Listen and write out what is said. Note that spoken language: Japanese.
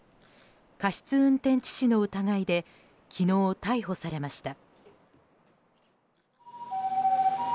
過失運転致死の疑いで昨日、逮捕されました。